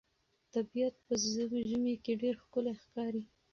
طبیعت په ژمي کې ډېر ښکلی ښکاري.